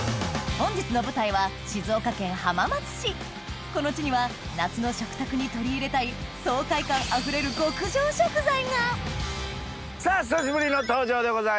本日の舞台はこの地には夏の食卓に取り入れたいさぁ久しぶりの登場でございます。